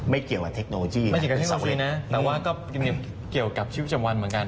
ไม่เกี่ยวกับเทคโนโลยีนะแต่ว่าก็มีเกี่ยวกับชีวิตจำวันเหมือนกัน